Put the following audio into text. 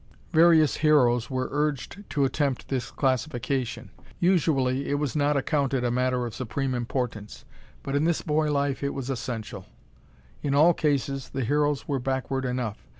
Various heroes were urged to attempt this classification. Usually it was not accounted a matter of supreme importance, but in this boy life it was essential. In all cases the heroes were backward enough.